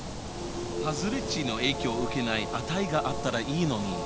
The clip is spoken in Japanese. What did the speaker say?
外れ値の影響を受けない値があったらいいのに。